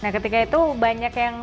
ketika itu banyak yang